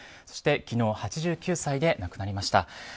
そして昨日８９歳で亡くなりました。